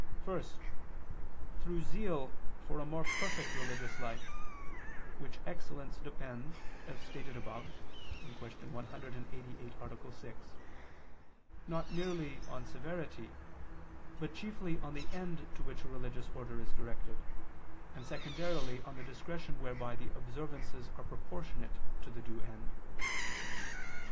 First, through zeal for a more perfect religious life, which excellence depends, as stated above (Q. 188, A. 6), not merely on severity, but chiefly on the end to which a religious order is directed, and secondarily on the discretion whereby the observances are proportionate to the due end.